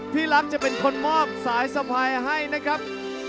พี่รักจะเป็นคนมอบสายสะพายให้นะครับ